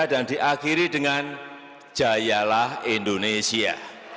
dan diakhiri dengan jayalah indonesia